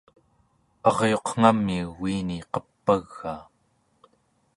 aryuqngamiu uini qep'agaa